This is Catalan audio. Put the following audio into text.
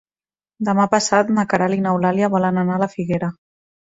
Demà passat na Queralt i n'Eulàlia volen anar a la Figuera.